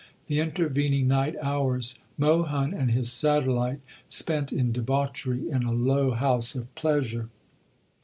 The intervening night hours Mohun and his satellite spent in debauchery in a low house of pleasure.